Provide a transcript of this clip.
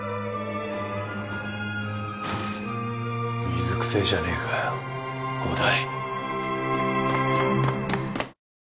水くせえじゃねえかよ伍代。